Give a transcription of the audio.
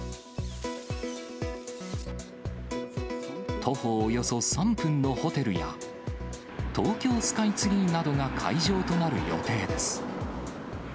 徒歩およそ３分のホテルや、東京スカイツリーなどが会場となる予定です。